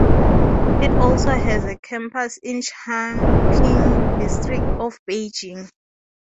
It also has a campus in Changping District of Beijing.